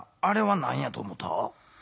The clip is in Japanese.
あれはなんやと思った？